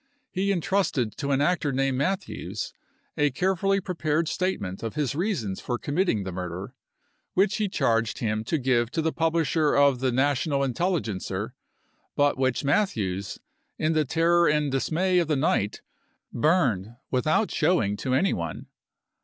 He intrusted to an actor named Matthews a carefully prepared state ment of his reasons for committing the murder, which he charged him to give to the publisher of the " National Intelligencer," but which Matthews, in the terror and dismay of the night, burned with j0iin f. out showing to any one.